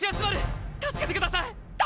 助けてください！！